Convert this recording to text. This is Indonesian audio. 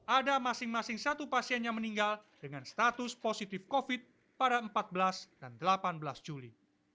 ada masing masing satu pasien yang meninggal dengan status positif covid pada empat belas dan delapan belas juli